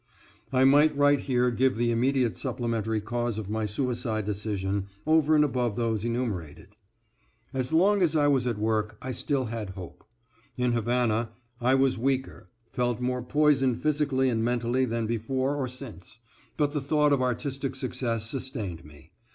I might right here give the immediate supplementary cause of my suicide decision, over and above those enumerated. As long as I was at work I still had hope. In Havana I was weaker, felt more poisoned physically and mentally than before or since, but the thought of artistic success sustained me.